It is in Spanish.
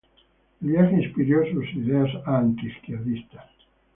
El viaje inspiró sus ideas anti izquierdistas.